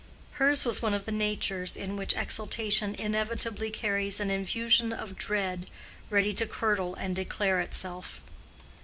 Hers was one of the natures in which exultation inevitably carries an infusion of dread ready to curdle and declare itself.